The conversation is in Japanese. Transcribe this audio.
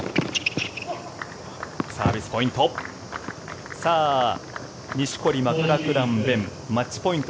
サービスポイント。